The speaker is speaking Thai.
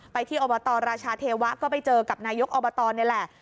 ที่อบตราชาเทวะก็ไปเจอกับนายกอบตนี่แหละ